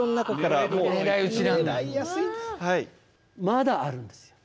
まだあるんですよ。